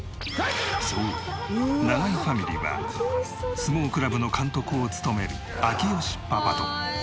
そう永井ファミリーは相撲クラブの監督を務める明慶パパと。